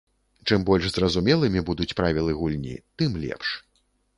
Чым больш зразумелымі будуць правілы гульні, тым лепш.